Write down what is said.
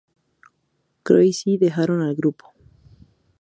Crazy dejaron el grupo.